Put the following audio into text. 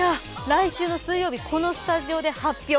来週の水曜日、このスタジオで発表。